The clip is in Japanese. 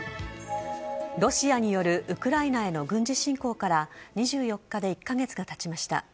ロシアによるウクライナへの軍事侵攻から２４日で１カ月が経ちました。